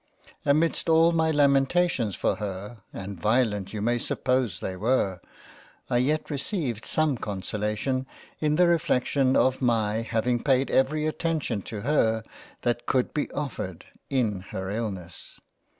Amidst all my Lamentations for her (and violent you may suppose they were) I yet received some consolation in the reflection of my having paid every attention to her, that could be offered, in her illness.